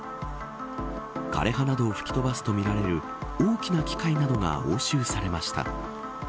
枯れ葉などを吹き飛ばすとみられる大きな機械などが押収されました。